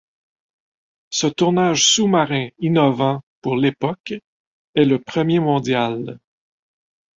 Ce tournage sous-marin innovant pour l'époque est le premier mondial.